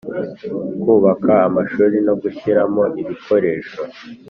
kubaka amashuri no gushyiramo ibikoresho.